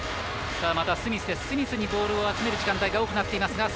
スミスにボールを集める時間帯が多くなっています。